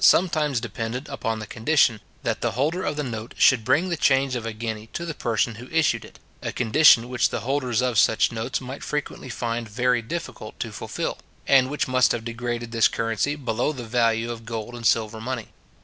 sometimes depended upon the condition, that the holder of the note should bring the change of a guinea to the person who issued it; a condition which the holders of such notes might frequently find it very difficult to fulfil, and which must have degraded this currency below the value of gold and silver money.